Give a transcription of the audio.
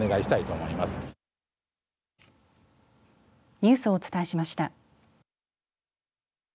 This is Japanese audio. ニュースをお伝えしました。